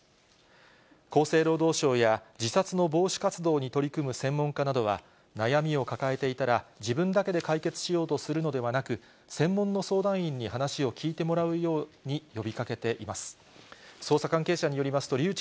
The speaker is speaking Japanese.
厚生労働省や自殺の防止活動に取り組む専門家などは、悩みを抱えていたら自分だけで解決しようとするのではなく、専門の相談員に話を聞いてもらうように呼びかけています。